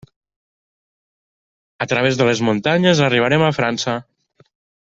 A través de les muntanyes arribarem a França.